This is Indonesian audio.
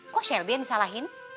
kok selby yang disalahin